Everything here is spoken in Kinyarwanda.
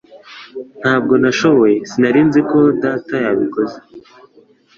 Ntabwo nashoboye… Sinari nzi ko data yabikoze.